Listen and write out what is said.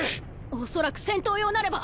おそらく戦闘用なれば！